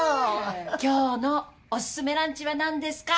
今日のお薦めランチは何ですか？